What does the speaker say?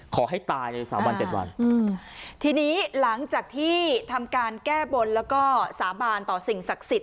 ขอให้ตายในสามวันเจ็ดวันอืมทีนี้หลังจากที่ทำการแก้บนแล้วก็สาบานต่อสิ่งศักดิ์สิทธิ